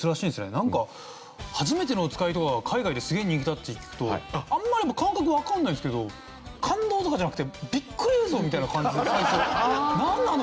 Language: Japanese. なんか『はじめてのおつかい』とかが海外ですげえ人気だって聞くとあんまり感覚わからないんですけど感動とかじゃなくてビックリ映像みたいな感じで最初「なんなんだ？